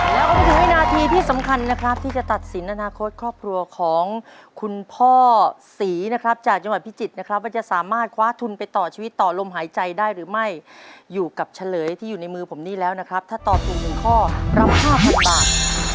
แล้วก็มาถึงวินาทีที่สำคัญนะครับที่จะตัดสินอนาคตครอบครัวของคุณพ่อศรีนะครับจากจังหวัดพิจิตรนะครับว่าจะสามารถคว้าทุนไปต่อชีวิตต่อลมหายใจได้หรือไม่อยู่กับเฉลยที่อยู่ในมือผมนี่แล้วนะครับถ้าตอบถูกหนึ่งข้อรับ๕๐๐บาท